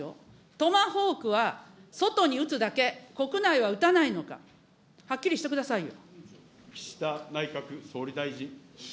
トマホークは外に撃つだけ、国内は撃たないのか、はっきりしてく岸田内閣総理大臣。